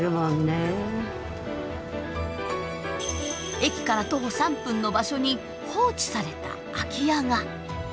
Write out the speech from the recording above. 駅から徒歩３分の場所に放置された空き家が。